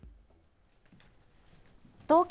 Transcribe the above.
東京